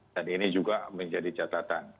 dan ini juga menjadi catatan